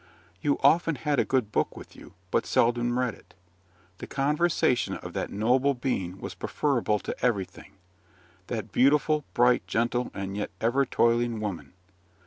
You often had a good book with you, but seldom read it; the conversation of that noble being was preferable to everything, that beautiful, bright, gentle, and yet ever toiling woman.